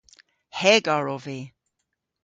Hegar ov vy.